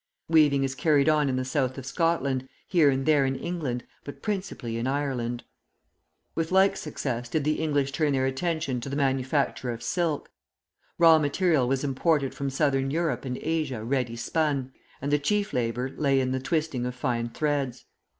Weaving is carried on in the South of Scotland, here and there in England, but principally in Ireland. With like success did the English turn their attention to the manufacture of silk. Raw material was imported from Southern Europe and Asia ready spun, and the chief labour lay in the twisting of fine threads.